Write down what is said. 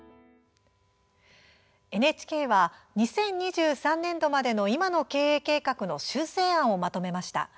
ＮＨＫは２０２３年度までの今の経営計画の修正案をまとめました。